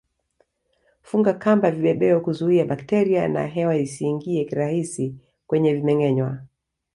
Funga kamba vibebeo kuzuia bakteria na hewa isiingie kirahisi kwenye vimengenywa